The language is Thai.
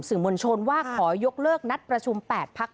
สื่อมวลชนว่าขอยกเลิกนัดประชุม๘พัก